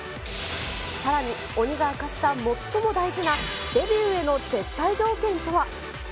さらに鬼が明かした最も大事なデビューへの絶対条件とは。